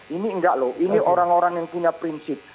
ini enggak loh ini orang orang yang punya prinsip